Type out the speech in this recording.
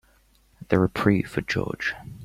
The reprieve for George.